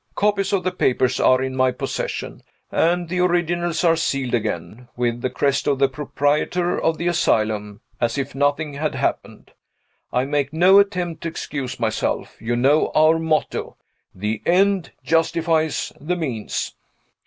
Copies of the papers are in my possession, and the originals are sealed again, with the crest of the proprietor of the asylum, as if nothing had happened. I make no attempt to excuse myself. You know our motto: THE END JUSTIFIES THE MEANS.